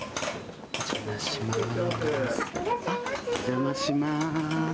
お邪魔します